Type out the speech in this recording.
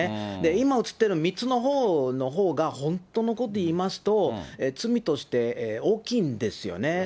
今映ってるの、３つのほうのほうが、本当のこと言いますと、罪として大きいんですよね。